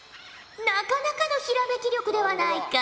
なかなかのひらめき力ではないか。